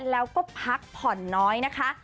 แล้วก็พักผ่อนน้อยนะคะ